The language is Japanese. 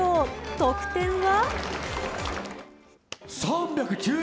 得点は？